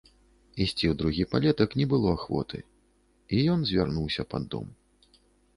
Ісці ў другі палетак не было ахвоты, і ён завярнуўся пад дом.